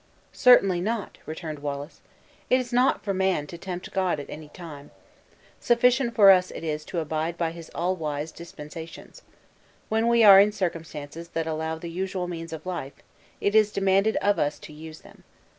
"Certainly not," returned Wallace; "it is not for man to tempt God at any time. Sufficient for us it is to abide by His all wise dispensations. When we are in circumstances that allow the usual means of life, it is demanded of us to use them.